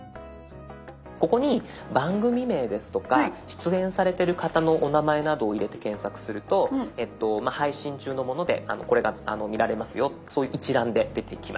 ここに番組名ですとか出演されてる方のお名前などを入れて検索すると配信中のものでこれが見られますよそういう一覧で出てきます。